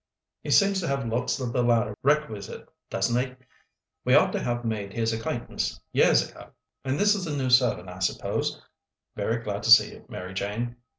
He seems to have lots of the latter requisite, doesn't he? We ought to have made his acquaintance years ago. And this is the new servant, I suppose. Very glad to see you, Mary Jane.